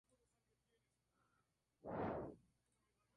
Producen de pocas a numerosas flores en una inflorescencia en racimo.